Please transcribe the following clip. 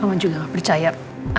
mama juga gak percaya